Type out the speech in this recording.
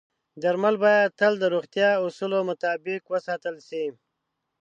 درمل باید تل د روغتیايي اصولو مطابق وساتل شي.